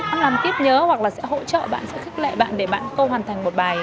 con làm tiếp nhớ hoặc là sẽ hỗ trợ bạn sẽ khích lệ bạn để bạn tô hoàn thành